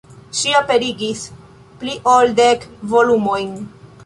Ŝi aperigis pli ol dek volumojn.